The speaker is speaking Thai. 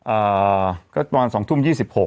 อ่าก็ตอน๒ทุ่ม๒๖